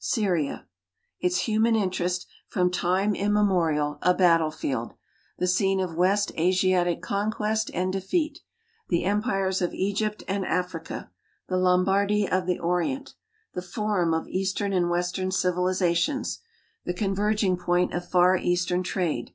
Syria: Its human interest ; from time immemorial a battlefield; the scene of West Asiatic conquest and defeat. The empires of Egypt and Africa. The Lombardy of the Orient. The forum of eastern and west ern civilizations. The converging point of far Eastern trade.